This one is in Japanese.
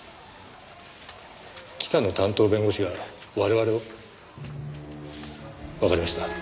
北の担当弁護士が我々を？わかりました。